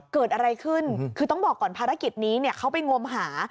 เกิดอะไรขึ้นคือต้องบอกก่อนภารกิจนี้เนี่ยเขาไปงมหา